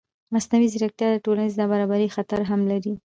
مصنوعي ځیرکتیا د ټولنیز نابرابرۍ خطر هم لري.